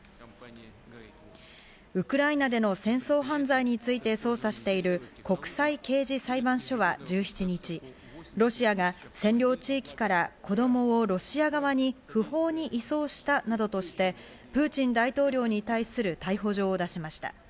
ウクライナでの戦争犯罪について捜査している国際刑事裁判所は１７日、ロシアが占領地域から子供をロシア側に不法に移送したなどとして、プーチン大統領に対する逮捕状を出しました。